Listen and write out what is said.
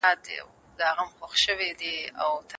ایا د مڼې په خوړلو سره د غاښونو مکروبونه له منځه ځي؟